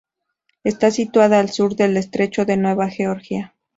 Está situada al sur del estrecho de Nueva Georgia.